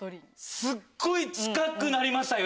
すっごい近くなりましたよ